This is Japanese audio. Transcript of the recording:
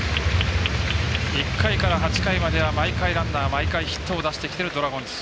１回から８回までは毎回ランナー毎回ヒットを出してきているドラゴンズ。